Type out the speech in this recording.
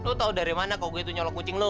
lo tau dari mana kok gue itu nyolok kucing lo